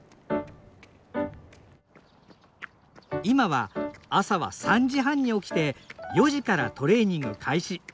今は朝は３時半に起きて４時からトレーニング開始。